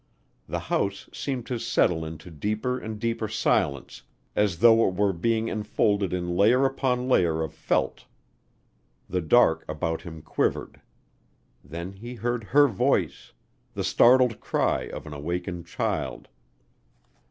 The house seemed to settle into deeper and deeper silence as though it were being enfolded in layer upon layer of felt. The dark about him quivered. Then he heard her voice, the startled cry of an awakened child.